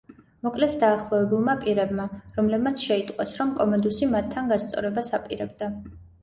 მოკლეს დაახლოებულმა პირებმა, რომლებმაც შეიტყვეს, რომ კომოდუსი მათთან გასწორებას აპირებდა.